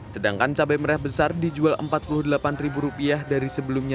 sedangkan cabai merah besar dijual rp empat puluh delapan dari sebelumnya